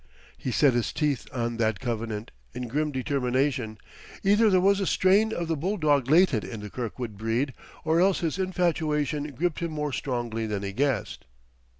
He set his teeth on that covenant, in grim determination; either there was a strain of the bulldog latent in the Kirkwood breed or else his infatuation gripped him more strongly than he guessed.